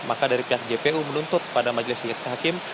maka dari pihak jpu menuntut pada majelis hakim